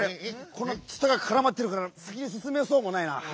このつたがからまってるからさきにすすめそうもないなぁ。